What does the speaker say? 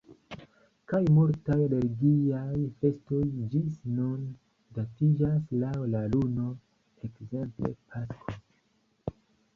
Kaj multaj religiaj festoj ĝis nun datiĝas laŭ la luno, ekzemple pasko.